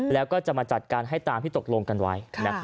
แล้วก็จะมาจัดการให้ตามที่ตกลงกันไว้